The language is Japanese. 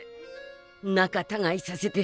仲たがいさせて銭